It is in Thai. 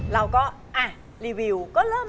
เราก็รีวิวก็เริ่ม